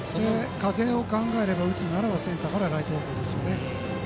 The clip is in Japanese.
風を考えるなら、打つならばセンターからライト方向ですよね。